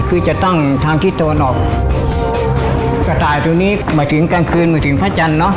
คือจะตั้งทางที่ตะวันออกกระต่ายตรงนี้หมายถึงกลางคืนหมายถึงพระจันทร์เนอะ